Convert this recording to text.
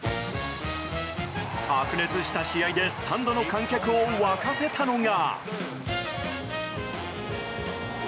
白熱した試合でスタンドの観客を沸かせたのが。